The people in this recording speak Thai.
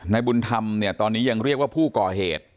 บุญธรรมเนี่ยตอนนี้ยังเรียกว่าผู้ก่อเหตุ